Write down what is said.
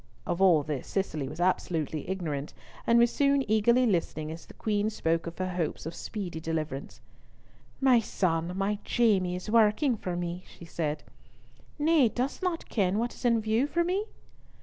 Of all this Cicely was absolutely ignorant, and was soon eagerly listening as the Queen spoke of her hopes of speedy deliverance. "My son, my Jamie, is working for me!" she said. "Nay, dost not ken what is in view for me?"